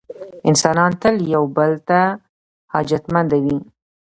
انسانان تل یو بل ته حاجتمنده وي.